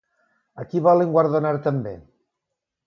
A qui volen guardonar també?